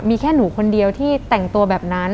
มีแค่หนูคนเดียวที่แต่งตัวแบบนั้น